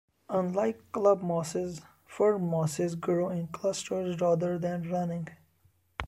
Unlike clubmosses, firmosses grow in clusters rather than running.